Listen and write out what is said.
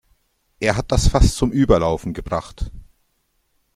Er hat das Fass zum Überlaufen gebracht.